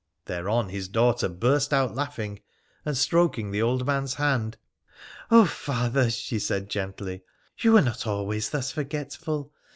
Thereon his daughter burst out laughing and stroking the P11RA THE PIKEXICIAN 297 old man's hand. 'Oh, father,' she said gentry, 'you were not always thus forgetful.